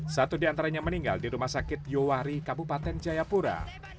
satu diantaranya meninggal di rumah sakit yowari kabupaten jayapura